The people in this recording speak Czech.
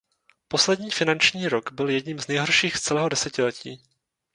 Poslední finanční rok byl jedním z nejhorších z celého desetiletí.